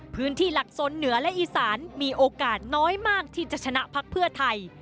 พื้นที่หลักสนเหนือและอีสานมีโอกาสน้อยมากที่จะชนะพักเพื่อไทย